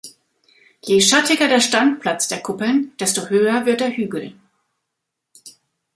Je schattiger der Standplatz der Kuppeln, desto höher wird der Hügel.